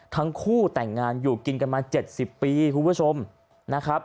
ทั้งคู่แต่งงานอยู่กินกันมา๗๐ปีคุณผู้ชมนะครับ